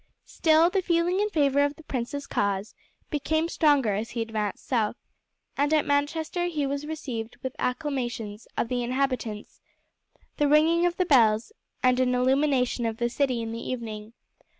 Still the feeling in favour of the prince's cause became stronger as he advanced south, and at Manchester he was received with the acclamations of the inhabitants, the ringing of the bells, and an illumination of the city in the evening.